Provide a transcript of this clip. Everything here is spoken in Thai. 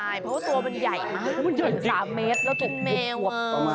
เพราะว่าตัวมันใหญ่มาก๓เมตรแล้วถูกหยุดหวบต่อมา